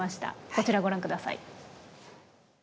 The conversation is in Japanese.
こちらご覧下さい。